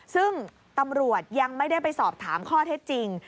ซึ่งตำรวจยังไม่ได้ไปสอบถามข้อเท็จจริง